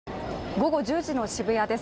午後１０時の渋谷です。